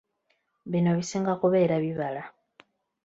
Bino bisinga kubeera bibala.